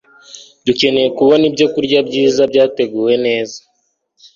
Dukeneye kubona ibyokurya byiza byateguwe neza